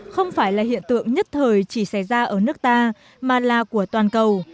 không phải là hiện tượng nhất thời chỉ xảy ra ở nước ta mà là của toàn cầu